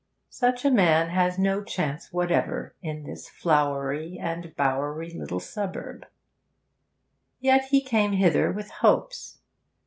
Such a man had no chance whatever in this flowery and bowery little suburb. Yet he came hither with hopes.